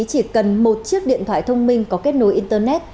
chỉ cần một chiếc điện thoại thông minh có kết nối internet